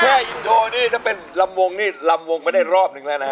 แคลอินโทรนี่จะเป็นลำวงลำวงมาได้รอบนึงละนะฮะ